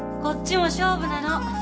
こっちも勝負なの！